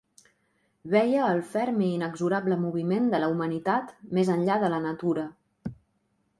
Veia el ferm i inexorable moviment de la humanitat més enllà de la natura.